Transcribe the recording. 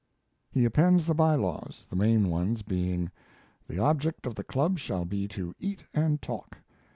He appends the by laws, the main ones being: The object of the club shall be to eat and talk.